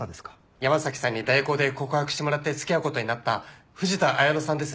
山さんに代行で告白してもらって付き合うことになった藤田綾乃さんです。